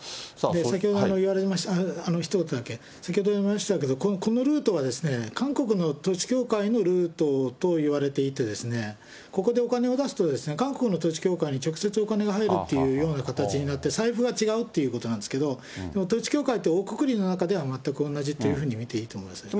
先ほど言われました、ひと言だけ、先ほども言いましたけど、このルートは、韓国の統一教会のルートといわれていて、ここでお金を出すと、韓国の統一教会に直接お金が入るというような形になって、財布は違うっていうことなんですけど、統一教会ってくくりの中では全く同じというふうに見ていいと思いますね。